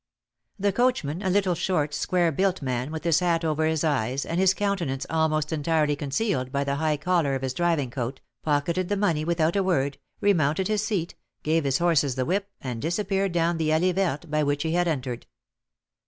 The coachman, a little, short, square built man, with his hat over his eyes, and his countenance almost entirely concealed by the high collar of his driving coat, pocketed the money without a word, remounted his seat, gave his horses the whip, and disappeared down the allée verte by which he had entered.